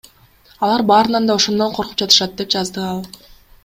Алар баарынан да ошондон коркуп жатышат, — деп жазды ал.